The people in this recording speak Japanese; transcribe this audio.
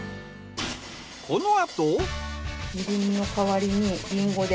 このあと。